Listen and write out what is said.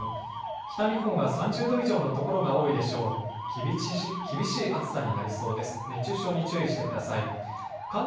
北日本は３０度以上の所が多いでしょう。